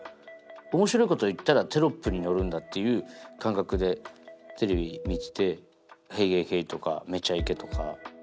面白いこと言ったらテロップにのるんだという感覚でテレビ見てて「ＨＥＹ！ＨＥＹ！ＨＥＹ！」とか「めちゃイケ」とか。